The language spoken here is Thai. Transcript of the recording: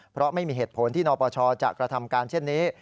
เพราะไม่มีเหตุผลที่นปชจะกระทำการเช่นนี้